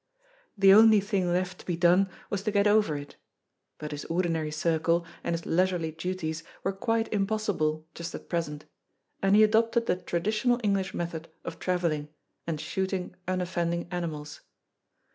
The only thing left to be done was to get over it; but his ordinary circle and its leisurely duties were quite impossible just at present, and he adopted the traditional English method of travelling, and shooting unoffending animals.